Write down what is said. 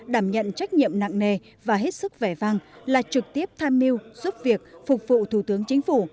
đảm nhận trách nhiệm nặng nề và hết sức vẻ vang là trực tiếp tham mưu giúp việc phục vụ thủ tướng chính phủ